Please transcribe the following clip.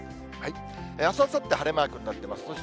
あすあさって晴れマークになっています。